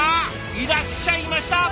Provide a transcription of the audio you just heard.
いらっしゃいました！